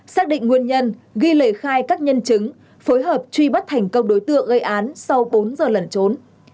xác định nguyên nhân ghi lời khai các nhân chứng phối hợp truy bắt thành công đối tượng gây án sau bốn giờ lẩn trốn